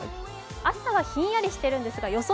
朝はひんやりしているんですが予想